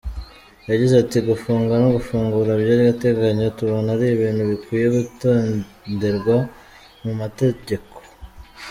Yagize ati “Gufunga no gufungura by’agateganyo tubona ari ibintu bikwiye kwitonderwa mu matageko.